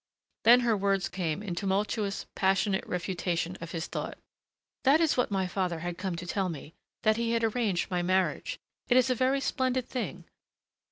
Then her words came in tumultuous, passionate refutation of his thought. "That is what my father had come to tell me that he had arranged my marriage. It is a very splendid thing.